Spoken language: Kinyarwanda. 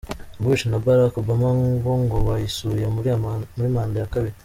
Bush na Barack Obama bo ngo bayisuye muri manda ya kabiri.